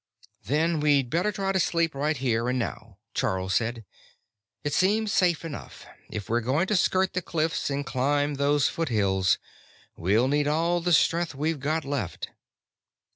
"Then we'd better try to sleep right here and now," Charl said. "It seems safe enough. If we're going to skirt the cliffs and climb those foothills, we'll need all the strength we've got left."